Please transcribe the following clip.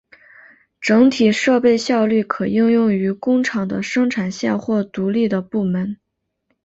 整体设备效率可应用于工厂的生产线或独立的部门。